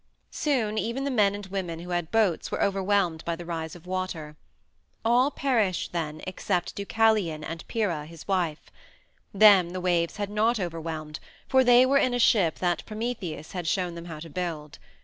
Soon even the men and women who had boats were overwhelmed by the rise of water all perished then except Deucalion and Pyrrha, his wife; them the waves had not overwhelmed, for they were in a ship that Prometheus had shown them how to build.